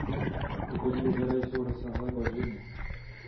V okolí jezera jsou rozsáhlé bažiny.